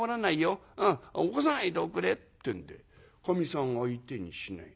うん起こさないでおくれ」ってんでかみさん相手にしない。